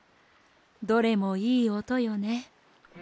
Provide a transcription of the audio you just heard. どれもいいおとよね。